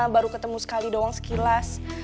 baru ketemu sekali doang sekilas